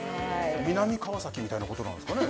南川崎みたいなことなんですかね？